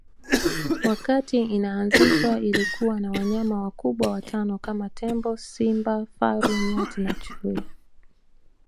Wakati inaanzishwa ilikuwa na wanyama wakubwa watano kama tembo simba faru nyati na chui